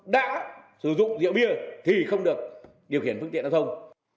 đã sử dụng rượu bia thì không được điều khiển phương tiện giao thông